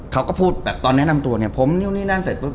เขาก็พูดตอนแนะนำตัวเนี่ย